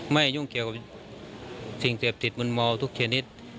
ไม่ยุ่งเกี่ยวกับสิ่งเศรษฐิตมุนมอลทุกชนิด